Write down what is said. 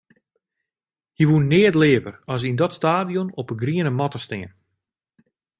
Hy woe neat leaver as yn dat stadion op 'e griene matte stean.